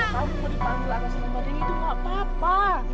kamu mau dipanggil agak sama mbak dere itu gak apa apa